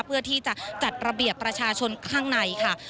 เพื่อที่จะจัดระเบียบประชาชนข้างในค่ะ